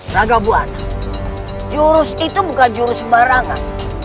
rangga buwana jurus itu bukan jurus barangan